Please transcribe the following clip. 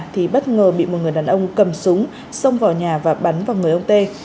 thì bất ngờ bị một người đàn ông cầm súng xông vào nhà và bắn vào người ông tê